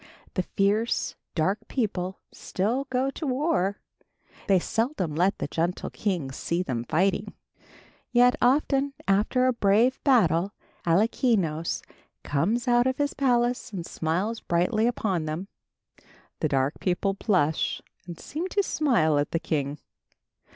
The fierce, dark people still go to war. They seldom let the gentle king see them fighting. Yet often after a brave battle, Alkinoös comes out of his palace and smiles brightly upon them. The dark people blush and seem to smile at the king.